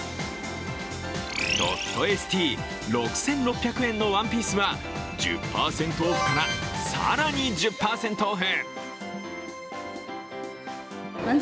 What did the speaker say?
ドットエスティ６６００円のワンピースは１０％オフから更に１０％オフ。